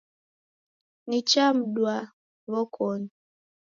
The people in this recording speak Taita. Nichamdwa w'okoni.